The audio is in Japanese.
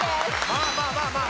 まあまあまあまあ。